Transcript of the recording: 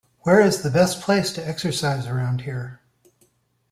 Where is the best place to exercise around here?